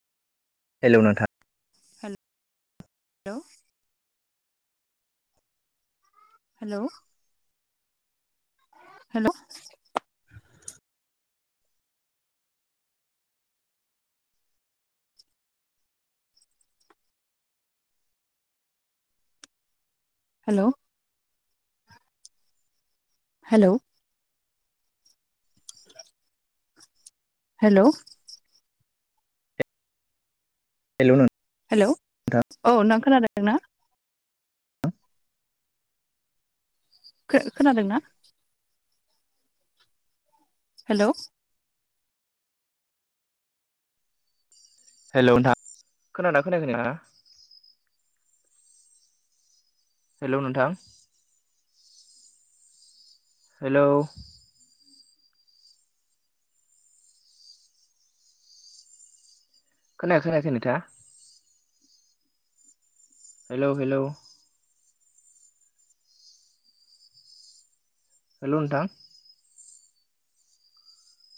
hello नोंथां hello hello hello hello hello hello hello नों hello औ नोंथां खोनादों ना खो खोनादोंना हेलौ हेलौ नोंथां खोनादोंना खोनायाखै नोंहा हेलौ नोंथां हेलौ खोनाय [unintelligible] खोनायाखै नोंथाङा हेलौ हेलौ हेलौ नोंथां